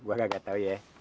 gue nggak tau ye